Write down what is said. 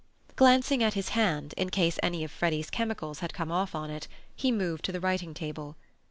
Glancing at his hand, in case any of Freddy's chemicals had come off on it, he moved to the writing table.